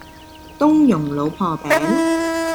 冬蓉老婆餅